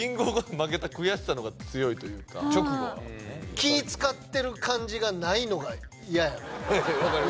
負けた悔しさの方が強いというか気遣ってる感じがないのが嫌やろ？